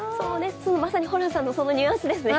まさにホランさんのそのニュアンスですね。